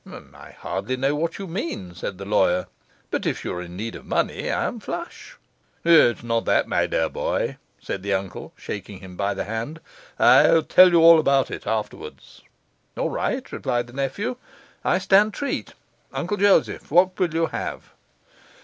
'I hardly know what you mean,' said the lawyer, 'but if you are in need of money I am flush.' 'It's not that, my dear boy,' said the uncle, shaking him by the hand. 'I'll tell you all about it afterwards.' 'All right,' responded the nephew. 'I stand treat, Uncle Joseph; what will you have?